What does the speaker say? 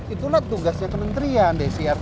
itulah tugasnya kementerian desi